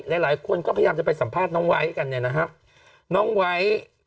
หลายคนก็พยายามจะไปสัมภาษณ์น้องไว้กันเนี่ยนะครับน้องไวท์